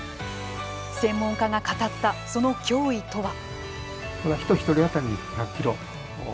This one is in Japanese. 専門家が語ったその脅威とは。